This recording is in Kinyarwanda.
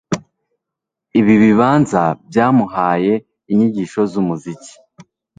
Ibi bibanza byamuhaye inyigisho zumuziki